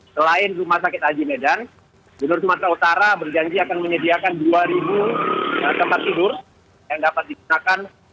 selain rumah sakit aji medan gubernur sumatera utara berjanji akan menyediakan dua tempat tidur yang dapat digunakan